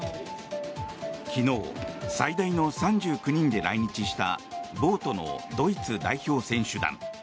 昨日、最大の３９人で来日したボートのドイツ代表選手団。